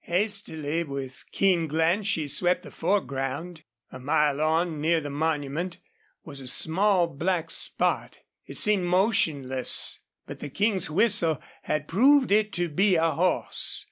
Hastily, with keen glance she swept the foreground. A mile on, near the monument, was a small black spot. It seemed motionless. But the King's whistle had proved it to be a horse.